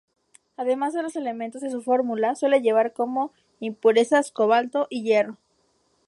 Además de los elementos de su fórmula, suele llevar como impurezas: cobalto y hierro.